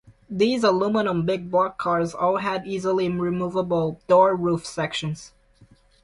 These aluminium big block cars all had easily removable door roof sections.